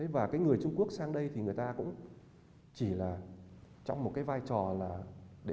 và người trung quốc sang đây thì người ta cũng chỉ là trong một vai trò để giáp toàn bộ dây chuyền